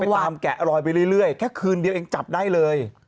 ตามแกะรอยไปเรื่อยแค่คืนเดียวเองจับได้เลย